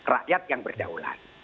rakyat yang berjaulat